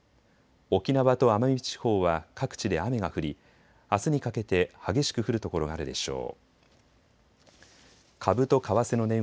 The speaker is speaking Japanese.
沖縄と奄美地方は各地で雨が降りあすにかけて激しく降る所があるでしょう。